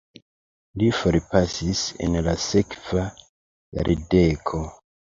Li forpasis en la sekva jardeko.